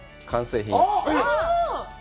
完成品。